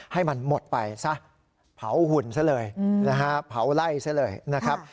ให้มันหมดไปซะเผาหุ่นซะเลยนะฮะเผาไล่ซะเลยนะครับ